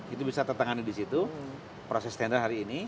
itu bisa tertangani di situ proses tender hari ini